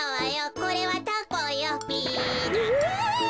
これはタコよべだ。